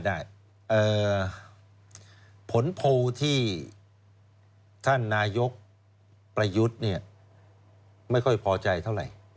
ได้ผลโพลที่ท่านนายกประยุทธ์เนี่ยไม่ค่อยพอใจเท่าไร